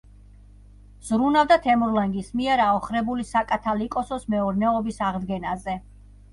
ზრუნავდა თემურლენგის მიერ აოხრებული საკათალიკოსოს მეურნეობის აღდგენაზე.